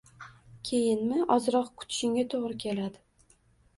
Keyinmi, ozroq kutishingga to`g`ri keladi